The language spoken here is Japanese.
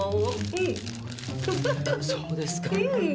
そうですかうん！